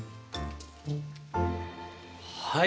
はい。